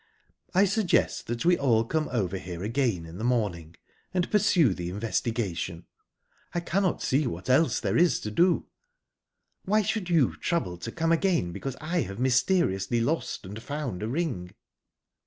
"I suggest that we all come over here again in the morning and pursue the investigation. I cannot see what else there is to do." "Why should you trouble to come again because I have mysteriously lost and found a ring?"